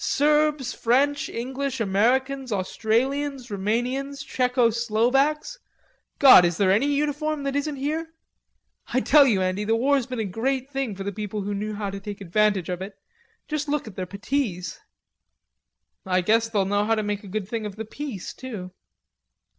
Serbs, French, English, Americans, Australians, Rumanians, Tcheco Slovaks; God, is there any uniform that isn't here?... I tell you, Andy, the war's been a great thing for the people who knew how to take advantage of it. Just look at their puttees." "I guess they'll know how to make a good thing of the Peace too."